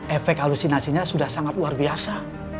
efek halusinasinya sudah sangat luar biasa